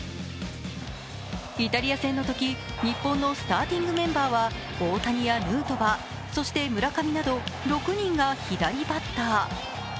イタリア戦のとき、日本のスターティングメンバーは大谷やヌートバーそして村上など６人が左バッター。